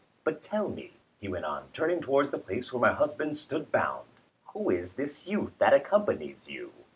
"But tell me," he went on, turning towards the place where my husband stood bound, "who is this youth that accompanies you?